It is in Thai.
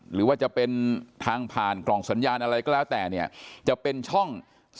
หรือว่าจะเป็นทางผ่านกล่องสัญญาณอะไรก็แล้วแต่เนี่ยจะเป็นช่อง